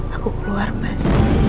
aku keluar mas